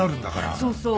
そうそう。